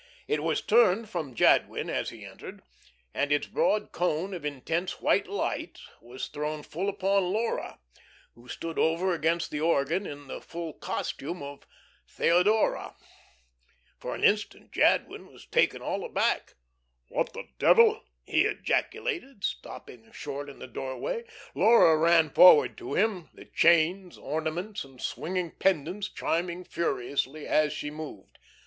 It was turned from Jadwin as he entered, and its broad cone of intense white light was thrown full upon Laura, who stood over against the organ in the full costume of "Theodora." For an instant Jadwin was taken all aback. "What the devil!" he ejaculated, stopping short in the doorway. Laura ran forward to him, the chains, ornaments, and swinging pendants chiming furiously as she moved.